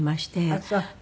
あっそう。